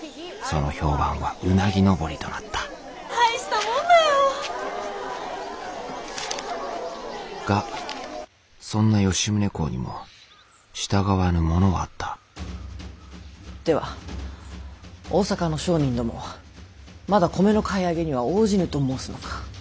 その評判はうなぎ登りとなった大したもんだよ。がそんな吉宗公にも従わぬ者はあったでは大坂の商人どもはまだ米の買い上げには応じぬと申すのか。